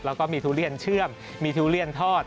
แล้วก็มีทุเรียนเชื่อมมีทุเรียนทอด